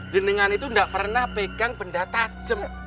jendengan itu gak pernah pegang benda tajam